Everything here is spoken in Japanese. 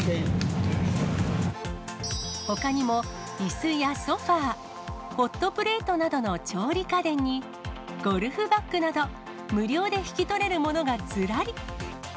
ほかにも、いすやソファー、ホットプレートなどの調理家電に、ゴルフバッグなど、無料で引き取れるものがずらり。